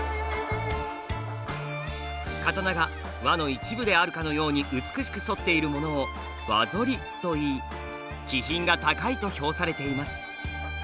刀が輪の一部であるかのように美しく反っているものを「輪反り」といい「気品が高い」と評されています。